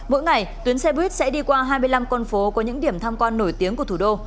mỗi ngày tuyến xe buýt sẽ đi qua hai mươi năm con phố có những điểm tham quan nổi tiếng của thủ đô